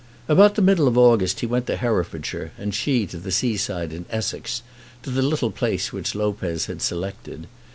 About the middle of August he went to Herefordshire and she to the seaside in Essex, to the little place which Lopez had selected.